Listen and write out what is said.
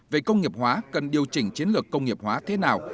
về công nghiệp hóa cần điều chỉnh chiến lược công nghiệp hóa thế nào